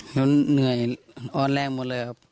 เหนื่อยออนแรงหมดเลยครับ